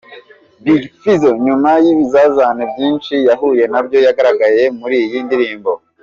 Big Fizzo nyuma y'ibizazane byinshi yahuye nabyo, yagaragaye muri iyi ndirimbo.